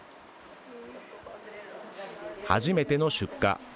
初めての出荷。